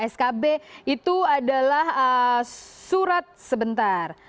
skb itu adalah surat sebentar